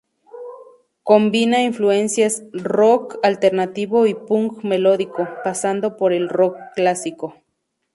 Combina influencias rock alternativo y punk melódico, pasando por el rock clásico.